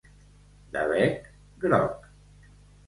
De bec groc.